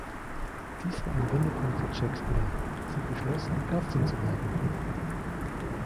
Dies war ein Wendepunkt für Jex-Blake: Sie beschloss, Ärztin zu werden.